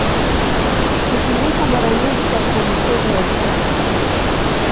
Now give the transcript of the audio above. Hutumika mara nyingi katika michezo ya Soka.